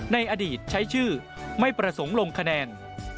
ในอดีตใช้ชื่อไม่ประสงค์ลงคะแนน